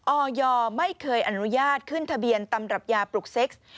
ออยไม่เคยอนุญาตขึ้นทะเบียนตำรับยาปลุกเซ็กซ์